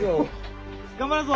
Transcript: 頑張るぞ！